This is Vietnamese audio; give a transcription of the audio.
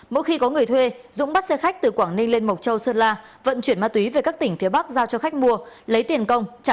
mỗi khi có người thuê dũng bắt xe khách từ quảng ninh lên mộc châu sơn la vận chuyển ma túy về các tỉnh phía bắc giao cho khách mua lấy tiền công trả nợ thua cờ bạc